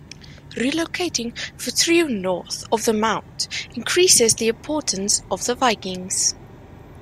Relocating Fortriu north of the Mounth increases the importance of the Vikings.